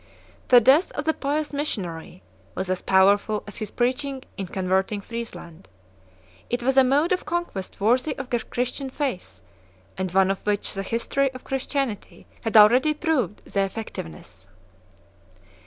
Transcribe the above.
The death of the pious missionary was as powerful as his preaching in converting Friesland. It was a mode of conquest worthy of the Christian faith, and one of which the history of Christianity had already proved the effectiveness.